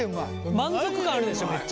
満足感あるでしょめっちゃ。